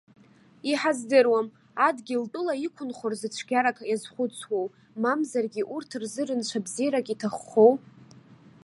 Иҳаздыруам, адгьылтәыла иқәынхо рзы цәгьарак иазхәыцуоу, мамзаргьы урҭ рзы рынцәа бзиарак иҭаххоу?